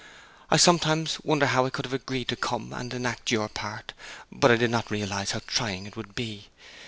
I sometimes wonder how I could have agreed to come and enact your part, but I did not realize how trying it would be.